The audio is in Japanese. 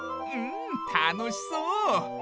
うんたのしそう！